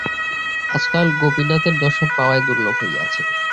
আজকাল গোপীনাথের দর্শন পাওয়াই দুর্লভ হইয়াছে।